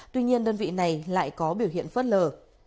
tuy nhiên đơn vị này lại có biểu hiện phớt lờ